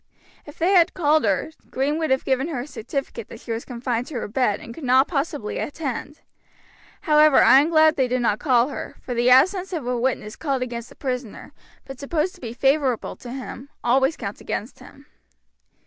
If they had called her, Green would have given her a certificate that she was confined to her bed and could not possibly attend. However I am glad they did not call her, for the absence of a witness called against the prisoner, but supposed to be favorable to him, always counts against him."